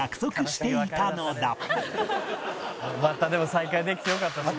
「またでも再会できてよかったですね」